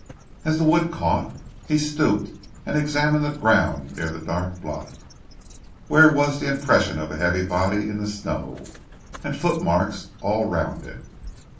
As the wood caught, he stooped and examined the ground near the dark blot, where was the impress of a heavy body in the snow, and footmarks all round it.